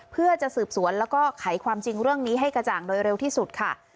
เพื่อจะสืบสวนแล้วก็ไขความจริงเรื่องนี้ให้กระจ่างโดยเร็วที่สุดค่ะ